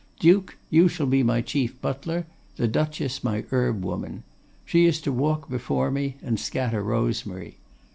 Duke, you shall be my chief butler, the Duchess my herb woman. She is to walk before me, and scatter rosemary.